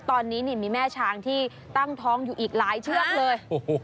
ตอนนี้มีแม่ช้างที่ตั้งท้องอยู่อีกหลายเชือกเลย